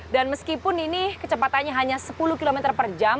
dan meskipun ini kecepatannya hanya sepuluh km per jam